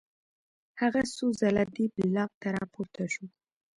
هغه څو ځله دې بلاک ته راپورته شو